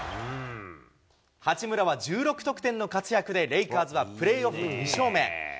八村は１６得点の活躍でレイカーズはプレーオフ２勝目。